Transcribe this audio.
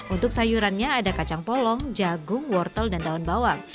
untuk sayurannya ada kacang polong jagung wortel dan daun bawang